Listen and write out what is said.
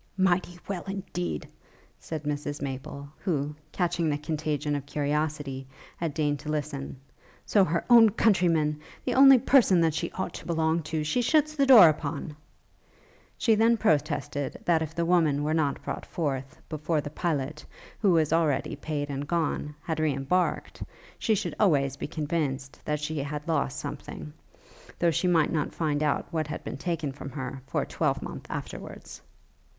'Mighty well, indeed!' said Mrs Maple, who, catching the contagion of curiosity, had deigned to listen; 'so her own countryman, the only person that she ought to belong to, she shuts the door upon!' She then protested, that if the woman were not brought forth, before the pilot, who was already paid and gone, had re embarked, she should always be convinced that she had lost something, though she might not find out what had been taken from her, for a twelve month afterwards.